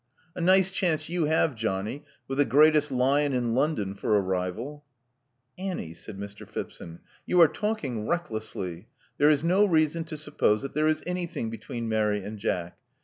A nice chance you have Johnny, with the greatest lion in L#ondon for a rival. Annie, said Mr. Phipson: ''you are talking reck lessly. There is no reason to suppose that there is anything between Mary and Jack.